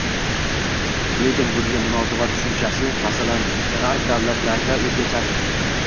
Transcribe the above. Lekin bunga munosabat tushunchasi, masalan, Gʻarb davlatlarida oʻzgachadir.